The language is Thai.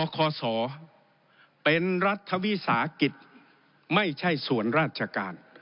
คศเป็นรัฐวิสาหกิจไม่ใช่ส่วนราชการ